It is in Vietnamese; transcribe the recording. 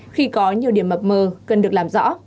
khi có nhiều điểm mập mờ cần được làm rõ